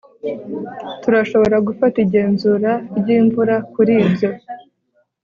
Turashobora gufata igenzura ryimvura kuri ibyo